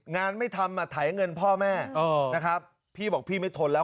งานไม่ทำอ่ะไถเงินพ่อแม่นะครับพี่บอกพี่ไม่ทนแล้ว